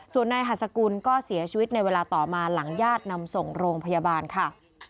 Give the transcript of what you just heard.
ส่วนนายหัสกุลก็เสียชีวิตในเวลาต่อมาหลังญาตินำส่งโรงพยาบาลค่ะ